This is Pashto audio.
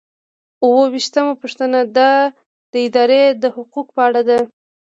اووه ویشتمه پوښتنه د ادارې د حقوقو په اړه ده.